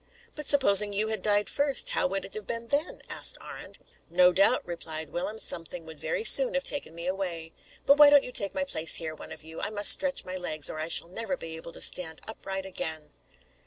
"But supposing you had died first, how would it have been then?" asked Arend. "No doubt," replied Willem, "something would very soon have taken me away. But why don't you take my place here, one of you? I must stretch my legs, or I shall never be able to stand upright again."